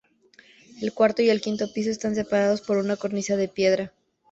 El cuarto y el quinto piso están separados por una cornisa de piedra.